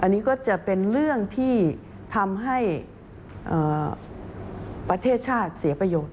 อันนี้ก็จะเป็นเรื่องที่ทำให้ประเทศชาติเสียประโยชน์